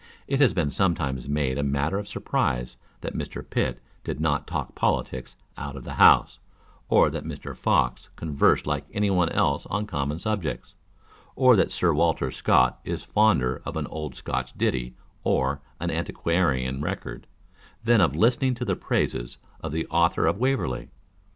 It has been sometimes made a matter of surprise that Mr. Pitt did not talk politics out of the House; or that Mr. Fox conversed like any one else on common subjects ; or that Sir Walter Scott is fonder of an old Scotch ditty or antiquarian record, than of listening to the praises of the Author of Waverley.